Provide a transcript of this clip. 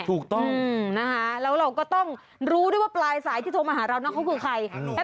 ถูกต้องนะคะแล้วเราก็ต้องรู้ด้วยว่าปลายสายที่โทรมาหาเรานั่นเขาคือใคร